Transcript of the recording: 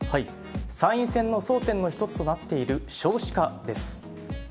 参院選の争点の一つとなっている少子化です。